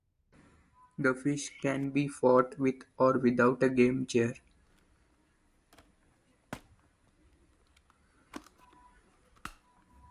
The fish can be fought with or without a game-chair.